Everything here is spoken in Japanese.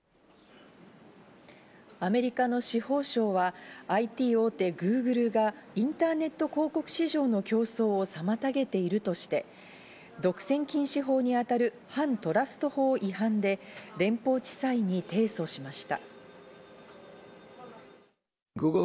アメリカの司法省はＩＴ大手・グーグルがインターネット広告市場の競争を妨げているとして、独占禁止法にあたる反トラスト法違反で連邦地裁に提訴しました。